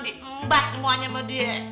diembat semuanya sama dia